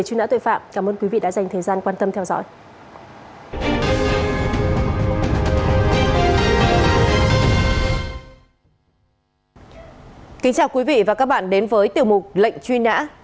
các bạn đến với tiểu mục lệnh truy nã